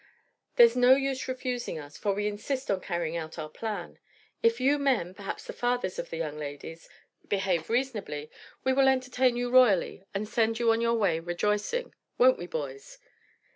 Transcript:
There's no use refusing us, for we insist on carrying out our plan. If you men, perhaps the fathers of the young ladies, behave reasonably, we will entertain you royally and send you on your way rejoicing. Won't we, boys?"